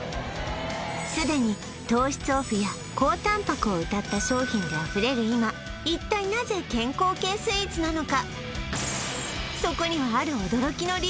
すでに糖質オフや高タンパクをうたった商品であふれる今一体なぜ健康系スイーツなのか